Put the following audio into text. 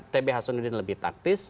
tb hasanuddin lebih taktis